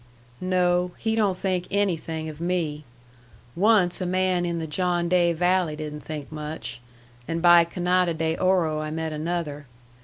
"No, he don't think anything of me. Once a man in the John Day Valley didn't think much, and by Canada de Oro I met another.